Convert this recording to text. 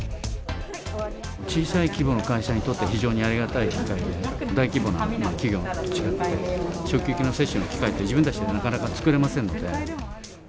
小さい規模の会社にとって非常にありがたい機会で、大規模な企業と違って、職域の接種の機会って、自分たちでなかなか作れませんので。